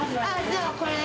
じゃあ、これで。